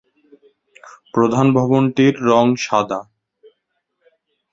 প্রধান ভবনটির রং সাদা।